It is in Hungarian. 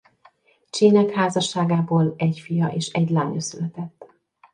Chi-nek házasságából egy fia és egy lánya született.